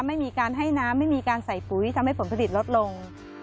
ไม่มีการให้น้ำไม่มีการใส่ปุ๋ยทำให้ผลผลิตลดลง